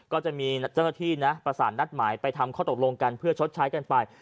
ก็จะมีเจ้าหน้าที่นะประสานนัดหมายไปทำข้อตกลงกันเพื่อชดใช้กันไป